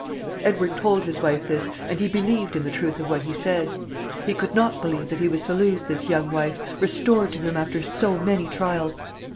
Edward told his wife this, and he believed in the truth of what he said. He could not believe that he was to lose this young wife, restored to him after so many trials.